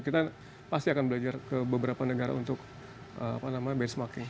kita pasti akan belajar ke beberapa negara untuk benchmarking